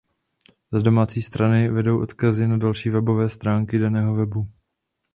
Z domácí stránky vedou odkazy na další webové stránky daného webu.